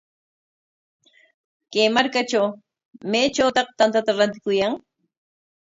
Kay markatraw, ¿maytrawtaq tantata rantikuyan?